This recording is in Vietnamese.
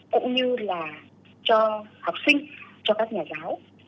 cũng như là cho học sinh cho các nhà giáo